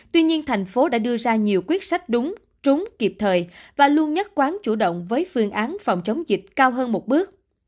tuy nhiên thành phố đã đưa ra nhiều quyết sách đúng trúng kịp thời và luôn nhất quán chủ động với phương án phòng chống dịch cao hơn một bước